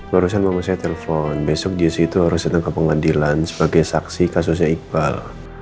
barusan mama saya telpon besok jessy itu harus ditangkap pengadilan sebagai saksi kasusnya iqbal